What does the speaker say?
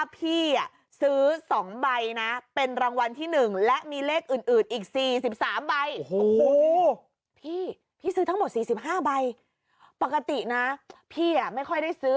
พี่เสิร์จยกลัตเตอรี่ให้ดู